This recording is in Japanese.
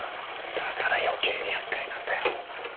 だから余計に厄介なんだよ。